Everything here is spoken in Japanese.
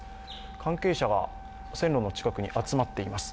関係者が線路の近くに集まっています。